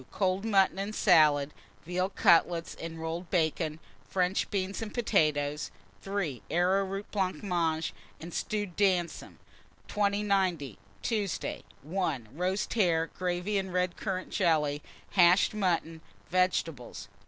Cold mutton and salad, veal cutlets and rolled bacon, French beans and potatoes. 3. Arrowroot blancmange and stewed damsons. 2090. Tuesday. 1. Roast hare, gravy, and red currant jelly; hashed mutton, vegetables.